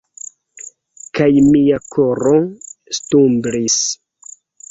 Kaj mia koro stumblis.